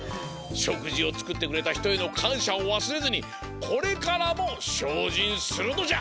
しょくじをつくってくれたひとへのかんしゃをわすれずにこれからもしょうじんするのじゃ！